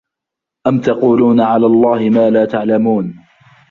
ۖ أَمْ تَقُولُونَ عَلَى اللَّهِ مَا لَا تَعْلَمُونَ